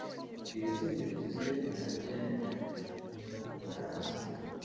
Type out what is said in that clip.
Iri tsinda rigizwe na Bien-Aimé Baraza